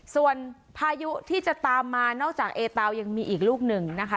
ส่วนพายุที่จะตามมานอกจากเอเตายังมีอีกลูกหนึ่งนะคะ